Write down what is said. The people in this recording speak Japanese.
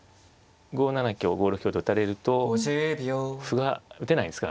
５七香５六香と打たれると歩が打てないですからね。